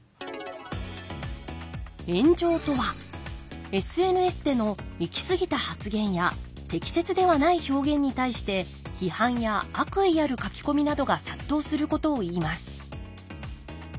炎上とはＳＮＳでの行き過ぎた発言や適切ではない表現に対して批判や悪意ある書き込みなどが殺到することをいいます。